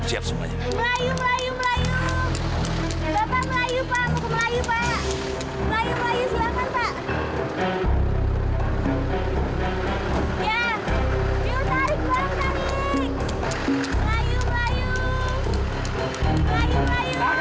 siapa yang melawan sikat